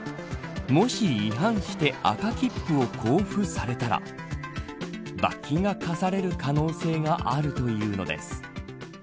もし、違反して赤切符を交付されたら罰金が科される可能性があるというのです。